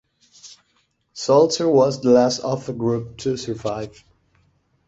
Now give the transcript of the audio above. Salzer was the last of the group to survive.